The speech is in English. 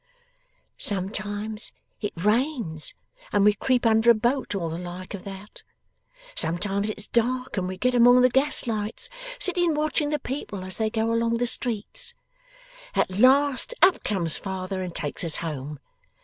'Sometimes it rains, and we creep under a boat or the like of that: sometimes it's dark, and we get among the gaslights, sitting watching the people as they go along the streets. At last, up comes father and takes us home.